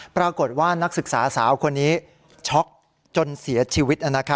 ปรากฏว่านักศึกษาสาวคนนี้ช็อกจนเสียชีวิต